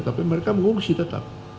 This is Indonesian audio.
tapi mereka mengungsi tetap